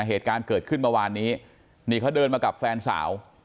เหตุการณ์เกิดขึ้นเมื่อวานนี้นี่เขาเดินมากับแฟนสาว